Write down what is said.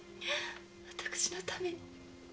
私のために。